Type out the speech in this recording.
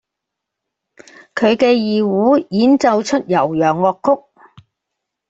佢嘅二胡演奏出悠揚樂曲